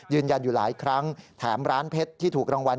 ยืนยันอยู่หลายครั้งแถมร้านเพชรที่ถูกรางวัล